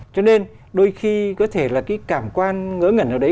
cho nên đôi khi có thể là cái cảm quan ngỡ ngẩn nào đấy